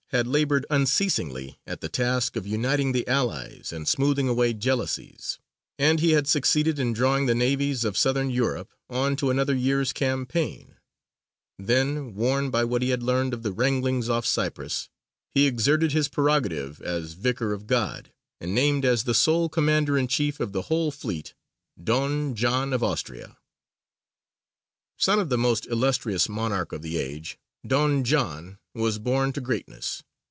had laboured unceasingly at the task of uniting the Allies and smoothing away jealousies, and he had succeeded in drawing the navies of Southern Europe on to another year's campaign; then, warned by what he had learned of the wranglings off Cyprus, he exerted his prerogative as Vicar of God, and named as the sole commander in chief of the whole fleet, Don John of Austria. [Illustration: ENGAGEMENT BETWEEN A SPANISH GALLEON AND A DUTCH SHIP. (Jurien de la Gravière.)] Son of the most illustrious monarch of the age, Don John was born to greatness.